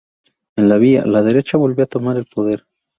En la villa, la derecha volvió a tomar el poder.